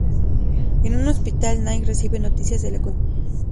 En un hospital, Nick recibe noticias de la condición de Wu.